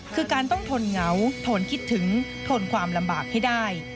คือการต้องทนเหงาทนคิดถึงทนความลำบากให้ได้